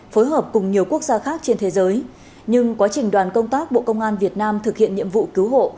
phối hợp cùng nhiều quốc gia khác trên thế giới nhưng quá trình đoàn công tác bộ công an việt nam thực hiện nhiệm vụ cứu hộ